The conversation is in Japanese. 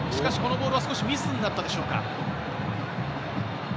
このボールは少しミスになったでしょうか。